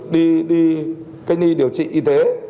đi cách ni điều trị y tế